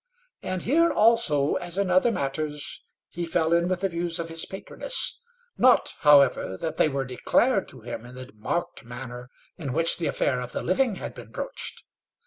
And here also, as in other matters, he fell in with the views of his patroness not, however, that they were declared to him in that marked manner in which the affair of the living had been broached.